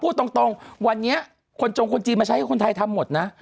พูดตรงวันนี้คนจงคนจีนมาใช้ให้คนไทยทำหมดนะ